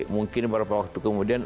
mungkin beberapa waktu kemudian